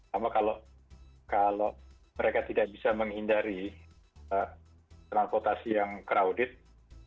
karena kalau mereka tidak bisa menghindari transportasi yang terlalu terburu buru